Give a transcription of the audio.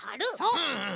うん。